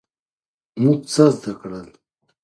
موږ څه زده کړل؟